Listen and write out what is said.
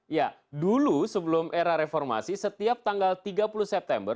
ya dulu sebelum era reformasi setiap tanggal tiga puluh september